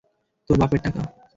তোর বাপের টাকা?